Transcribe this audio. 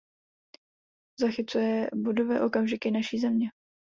Zachycuje bodové okamžiky naší země.